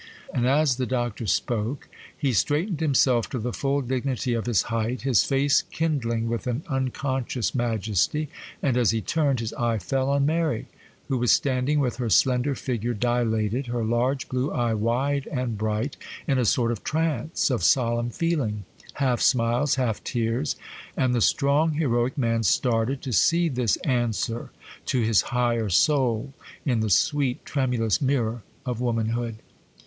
And as the Doctor spoke, he straightened himself to the full dignity of his height, his face kindling with an unconscious majesty, and, as he turned, his eye fell on Mary, who was standing with her slender figure dilated, her large blue eye wide and bright, in a sort of trance of solemn feeling, half smiles, half tears,—and the strong, heroic man started, to see this answer to his higher soul in the sweet, tremulous mirror of womanhood.